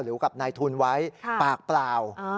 หรือกับนายทุนไว้ปากเปล่า